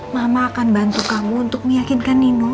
mama akan bantu kamu untuk meyakinkan nino